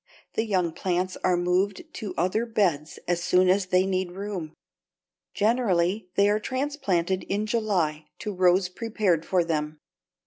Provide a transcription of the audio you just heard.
The young plants are moved to other beds as soon as they need room. Generally they are transplanted in July to rows prepared for them.